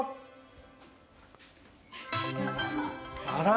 あら。